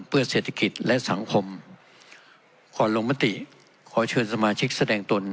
เพื่อเศรษฐกิจและสังคมขอลงมติขอเชิญสมาชิกแสดงตน